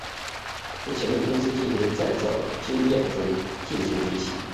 从前面公司进行再造的经验中进行学习。